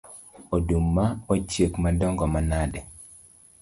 Oduma ochiek madongo manade